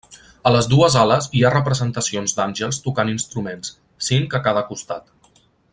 A les dues ales hi ha representacions d'àngels tocant instruments, cinc a cada costat.